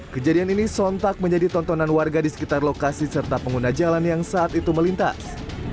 kejadian ini sontak menjadi tontonan warga di sekitar lokasi serta pengguna jalan yang saat itu melintas